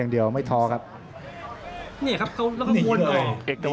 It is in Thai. อัศวินาศาสตร์